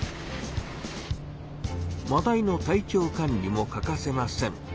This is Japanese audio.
マダイの体調管理も欠かせません。